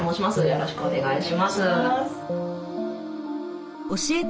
よろしくお願いします。